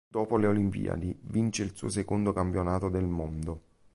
Dopo le olimpiadi, vince il suo secondo campionato del mondo.